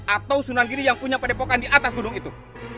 atau sunan giri yang punya padepokan di atas gunung itu